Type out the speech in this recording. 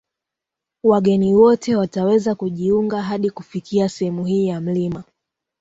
Wageni wote wataweza kujiunga hadi kufikia sehemu hii ya mlima